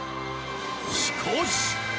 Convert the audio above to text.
しかし！